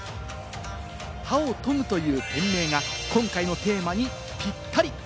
刃を研ぐという店名が今回のテーマにぴったり。